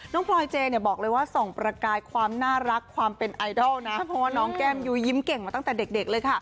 พลอยเจเนี่ยบอกเลยว่าส่องประกายความน่ารักความเป็นไอดอลนะเพราะว่าน้องแก้มยุ้ยยิ้มเก่งมาตั้งแต่เด็กเลยค่ะ